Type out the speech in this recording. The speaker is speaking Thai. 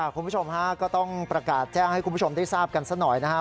คุณผู้ชมฮะก็ต้องประกาศแจ้งให้คุณผู้ชมได้ทราบกันสักหน่อยนะครับ